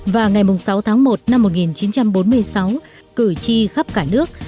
và ngày sáu tháng một năm một nghìn chín trăm bốn mươi sáu cử tri khắp cả nước